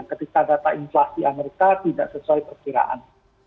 ketika data inflasi amerika tidak sesuai perkiraan